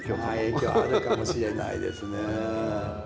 影響あるかもしれないですね。